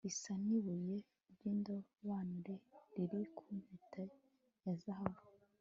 isa n'ibuye ry'indobanure riri ku mpeta ya zahabu